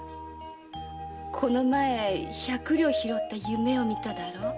この前百両拾った夢を見ただろ？